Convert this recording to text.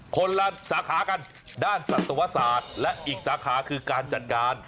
คนละสาขากันด้านศัตวศาสตร์และอีกสาขาคือการจัดการ